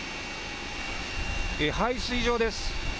排水場です。